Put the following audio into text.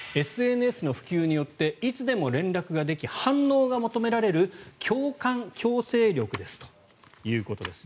ＳＮＳの普及によっていつでも連絡ができ反応が求められる共感強制力ですということです。